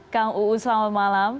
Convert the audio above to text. kang uu selamat malam